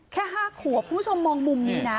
แค่๕ขัวผู้ชมมองมุมนี้นะ